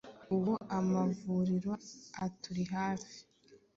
Ubu amavuriro aturi hafi